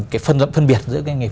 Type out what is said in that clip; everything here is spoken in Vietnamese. cái phân biệt giữa doanh nghiệp